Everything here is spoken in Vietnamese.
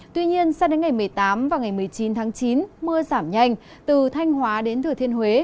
tuy nhiên sang đến ngày một mươi tám và ngày một mươi chín tháng chín mưa giảm nhanh từ thanh hóa đến thừa thiên huế